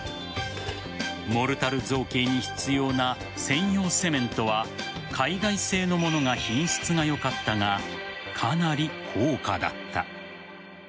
モルタル造形に必要な専用セメントは海外製のものが品質がよかったがかなり高価だった。